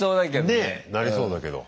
ねえなりそうだけど。